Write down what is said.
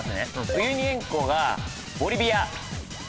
ウユニ塩湖がボリビア。